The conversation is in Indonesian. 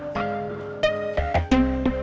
ya baik bu